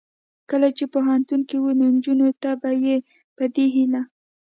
کله چې پوهنتون کې و نو نجونو ته به یې په دې هیله